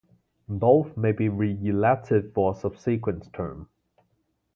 Both may be re-elected for a subsequent term.